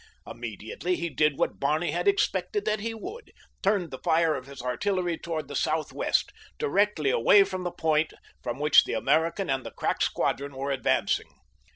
Immediately he did what Barney had expected that he would—turned the fire of his artillery toward the southwest, directly away from the point from which the American and the crack squadron were advancing.